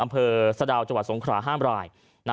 อำเภอสะดาวจวาสงขลาห้ามรายนะ